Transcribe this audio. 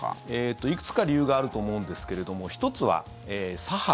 いくつか理由があると思うんですけど、１つは左派。